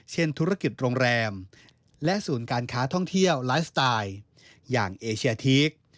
ธุรกิจโรงแรมและศูนย์การค้าท่องเที่ยวไลฟ์สไตล์อย่างเอเชียทีก